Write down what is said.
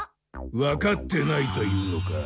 わかってないというのか？